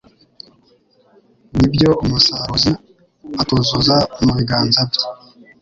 Ni byo umusaruzi atuzuza mu biganza bye